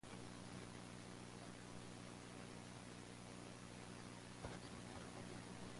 The wider the light source, the more blurred the shadow becomes.